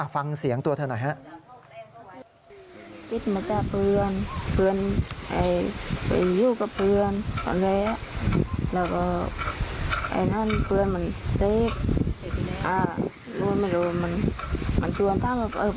ฟังเสียงตัวเธอหน่อยครับ